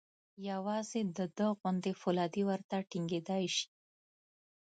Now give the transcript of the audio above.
یوازې د ده غوندې فولادي ورته ټینګېدای شي.